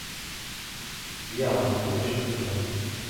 李雅郎后事不详。